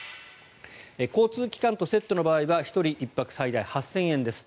交通機関とセットの場合は１人１泊最大８０００円です。